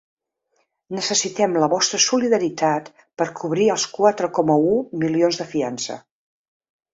Necessitem la vostra solidaritat per cobrir els quatre coma u milions de fiança.